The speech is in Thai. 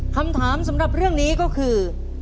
คำถามสำหรับเรื่องนี้ก็คือ